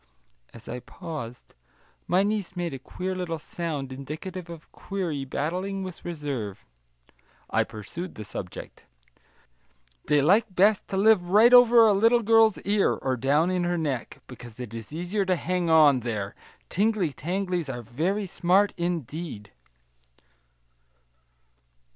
As I paused, my niece made a queer little sound indicative of query battling with reserve. I pursued the subject: "They like best to live right over a little girl's ear, or down in her neck, because it is easier to hang on, there; tingly tanglies are very smart, indeed."